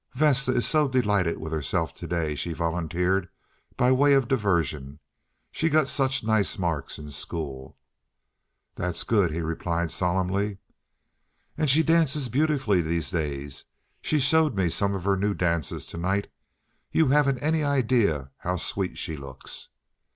"Vesta is so delighted with herself to day," she volunteered by way of diversion. "She got such nice marks in school." "That's good," he replied solemnly. "And she dances beautifully these days. She showed me some of her new dances to night. You haven't any idea how sweet she looks."